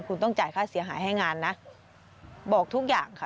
คุณต้องจ่ายค่าเสียหายให้งานนะบอกทุกอย่างค่ะ